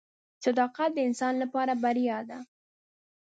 • صداقت د انسان لپاره بریا ده.